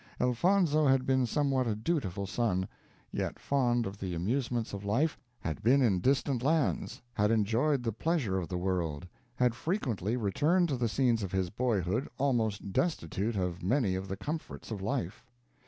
Elfonzo had been somewhat a dutiful son; yet fond of the amusements of life had been in distant lands had enjoyed the pleasure of the world, and had frequently returned to the scenes of his boyhood, almost destitute of many of the comforts of life.